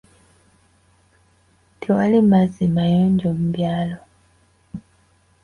Tewali mazzi mayonjo mu byalo.